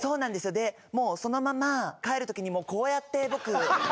でもうそのまま帰る時にこうやって僕。